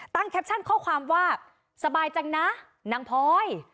แคปชั่นข้อความว่าสบายจังนะนางพลอย